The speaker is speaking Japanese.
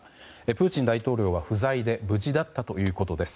プーチン大統領は不在で無事だったということです。